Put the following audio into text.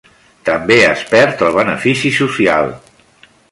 També es perd el benefici social.